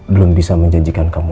belum bisa menjanjikan kamu